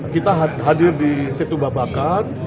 kita hadir di situ babakan